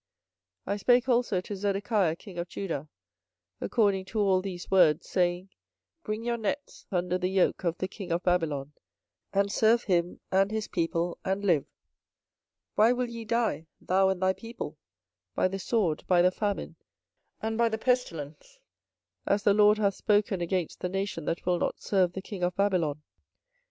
24:027:012 I spake also to Zedekiah king of Judah according to all these words, saying, Bring your necks under the yoke of the king of Babylon, and serve him and his people, and live. 24:027:013 Why will ye die, thou and thy people, by the sword, by the famine, and by the pestilence, as the LORD hath spoken against the nation that will not serve the king of Babylon?